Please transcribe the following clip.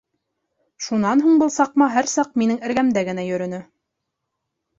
Шунан һуң был саҡма һәр саҡ минең эргәмдә генә йөрөнө.